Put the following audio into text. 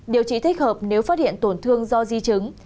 điều trị thích hợp nếu phát hiện tổn thương do di chứng